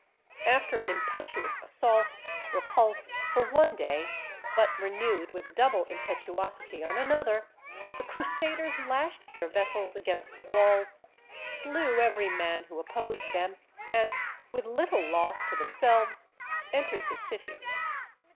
After an impetuous assault, repulsed for one day, but renewed with double impetuosity on another, the Crusaders lashed their vessels against the walls, slew every man who opposed them, and, with little loss to themselves, entered the city.